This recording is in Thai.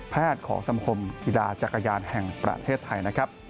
แพทย์ของสมคมกีฬาจักรยานแห่งประเทศไทย